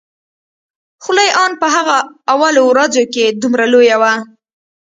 خوله يې ان په هغه اولو ورځو کښې دومره لويه وه.